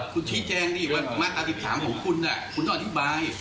คุณชี้แจงดิว่ามาตรา๑๓ของคุณคุณต้องอธิบาย